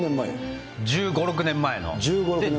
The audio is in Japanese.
１５、６年前の。